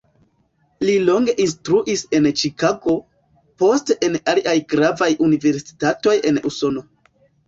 Li longe instruis en Ĉikago, poste en aliaj gravaj universitatoj en Usono.